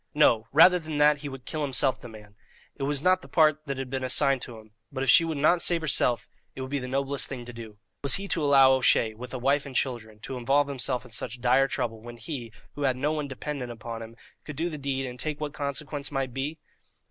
No, rather than that he would himself kill the man. It was not the part that had been assigned to him, but if she would not save herself it would be the noblest thing to do. Was he to allow O'Shea, with a wife and children, to involve himself in such dire trouble, when he, who had no one dependent upon him, could do the deed, and take what consequences might be?